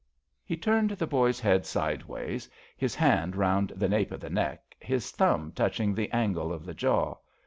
'* He turned the boy's head sideways, his hand round the nape of the neck, his thumb touching the angle of the jaw.